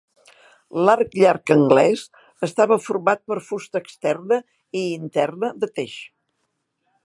L'arc llarg anglès estava format per fusta externa i interna de teix.